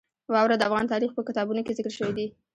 واوره د افغان تاریخ په کتابونو کې ذکر شوی دي.